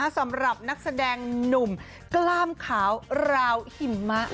สำหรับนักแสดงหนุ่มกล้ามขาวราวหิมะ